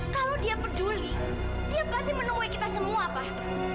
kalau dia peduli dia pasti menemui kita semua pak